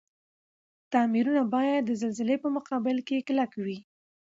تعميرونه باید د زلزلي په مقابل کي کلک وی.